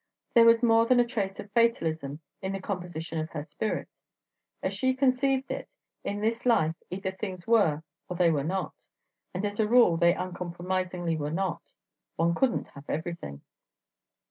There was more than a trace of fatalism in the composition of her spirit. As she conceived it, in this life either things were or they were not; and as a rule they uncompromisingly were not: one couldn't have everything.